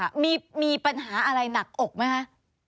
อ้าวเข้าใจค่ะมีปัญหาอะไรหนักอกไหมคะ